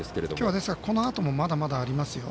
今日は、このあともまだまだありますよ